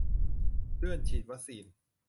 เลื่อนฉีดวัคซีน